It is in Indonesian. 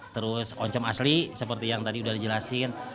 terus oncom asli seperti yang tadi udah dijelasin